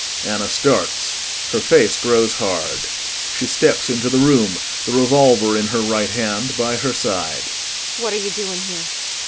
[ANNA starts, her face grows hard. She steps into the room, the revolver in her right hand by her side.